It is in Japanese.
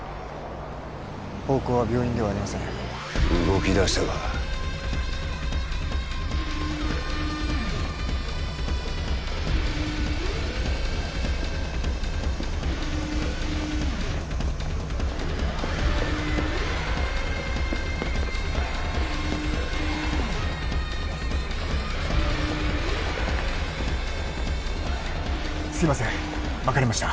方向は病院ではありません動きだしたかすいませんまかれました